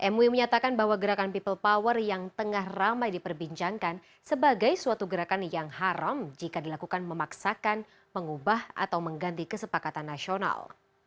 mui menyatakan bahwa gerakan people power yang tengah ramai diperbincangkan sebagai suatu gerakan yang haram jika dilakukan memaksakan mengubah atau mengganti kesepakatan nasional